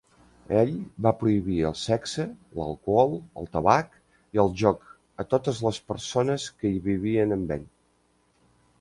Ell va prohibir el sexe, l"alcohol, el tabac i el joc a totes les persones que hi vivien amb ell.